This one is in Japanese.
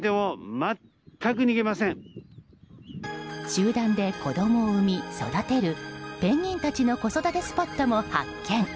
集団で子供を産み育てるペンギンたちの子育てスポットも発見。